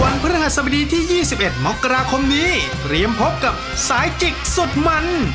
พระหัสบดีที่๒๑มกราคมนี้เตรียมพบกับสายจิกสุดมัน